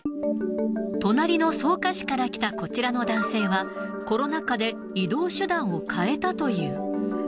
隣の草加市から来た、こちらの男性は、コロナ禍で移動手段を変えたという。